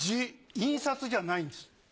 印刷じゃないんです。